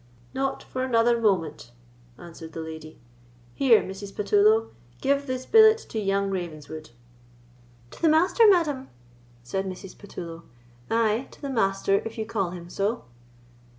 "Not for another moment," answered the lady. "Here, Mrs. Patullo, give this billet to young Ravenswood." "To the Master, madam?" said Mrs. Patullo. "Ay, to the Master, if you call him so."